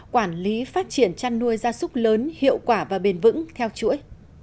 quản lý phát triển chăn nuôi gia súc lớn hiệu quả và bền vững theo chuỗi